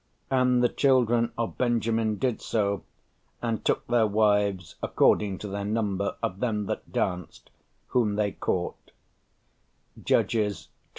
And the children of Benjamin did so, and took their wives according to their number, of them that danced, whom they caught" (Judges xxi.